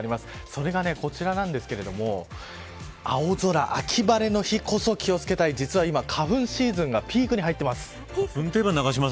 それがこちらなんですけれども青空、秋晴れの日こそ気を付けたい、実は今花粉シーズンがピークに入っています。